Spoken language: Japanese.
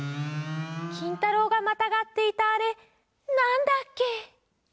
きんたろうがまたがっていたあれなんだっけ？